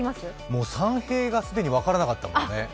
もう３平が既に分からなかったもんね。